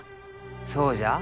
そうじゃあ。